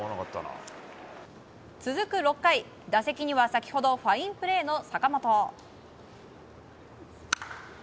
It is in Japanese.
続く６回、打席には先ほどファインプレーの坂本。